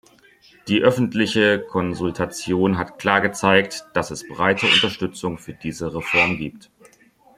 Die öffentliche Konsultation hat klar gezeigt, dass es breite Unterstützung für diese Reform gibt.